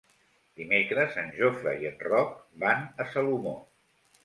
Dimecres en Jofre i en Roc van a Salomó.